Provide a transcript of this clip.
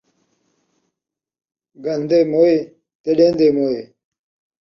گھندے موئے تے ݙین٘دے موئے